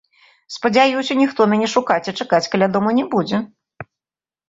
Спадзяюся, ніхто мяне шукаць і чакаць каля дома не будзе.